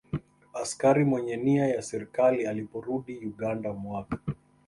Askari Mwenye Nia ya Serikali Aliporudi Uganda mwaka